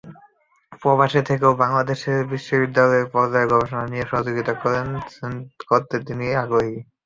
প্রবাসে থেকেও বাংলাদেশে বিশ্ববিদ্যালয় পর্যায়ে গবেষণা নিয়ে সহযোগিতা করতে তিনি আগ্রহী।